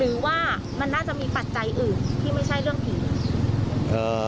หรือว่ามันน่าจะมีปัจจัยอื่นที่ไม่ใช่เรื่องผี